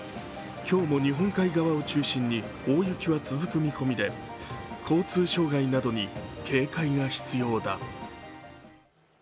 今日も日本海側を中心に大雪は続く見込みで交通障害などに警戒が必要だ。